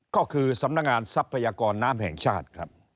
ก็คือสำนักงานทรัพยากรน้ำแห่งชาติครับ